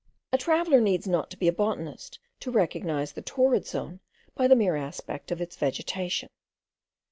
A traveller needs not to be a botanist, to recognize the torrid zone by the mere aspect of its vegetation.